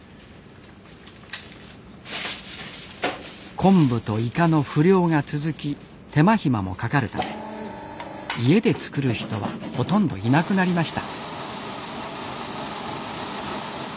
昆布とイカの不漁が続き手間暇もかかるため家で作る人はほとんどいなくなりました。